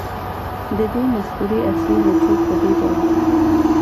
د دې مفکورې اصلي نچوړ په دې ډول و